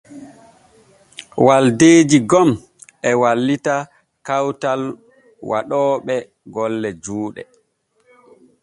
Waldeeji gom e wallita kawtal waɗooɓe golle juuɗe.